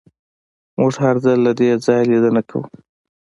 موږ هر ځل له دې ځایه لیدنه کوو